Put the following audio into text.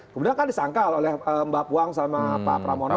kemudian kan disangkal oleh mbak puang sama pak pramono